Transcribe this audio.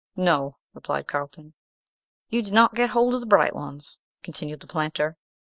"No," replied Carlton. "You did not get hold of the bright ones," continued the planter.